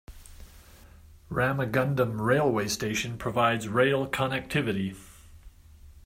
Ramagundam railway station provides rail connectivity.